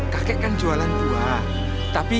kakek kan jualan buah